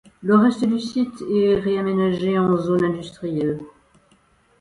Le reste du site est réaménagé en zone industrielle.